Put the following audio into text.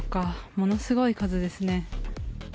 ものすごい数ですね。